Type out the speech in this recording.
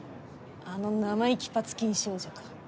あの生意気パツキン少女か。